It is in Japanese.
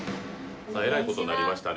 えらいことになりましたね。